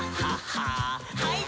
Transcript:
はい。